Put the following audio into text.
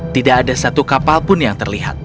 tidak ada satu kapal pun yang terlihat